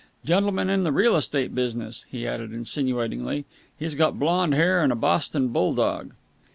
Gentleman in the real estate business," he added insinuatingly. "He's got blond hair and a Boston bull dog."